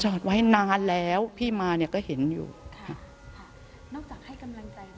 จอดไว้นานแล้วพี่มาเนี่ยก็เห็นอยู่ค่ะค่ะนอกจากให้กำลังใจ